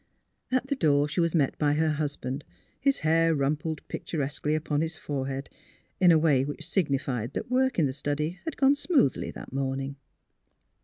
At the door she was met by her husband, his hair rumpled pictur esquely upon his forehead in a way which signified that work in the study had gone smoothly that morning.